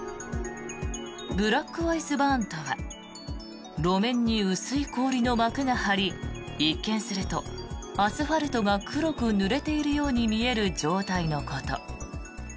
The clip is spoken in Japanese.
ブラックアイスバーンとは路面に薄い氷の幕が張り一見するとアスファルトが黒くぬれているように見える状態のこと。